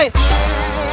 iko di arab doi